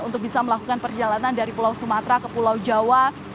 untuk bisa melakukan perjalanan dari pulau sumatera ke pulau jawa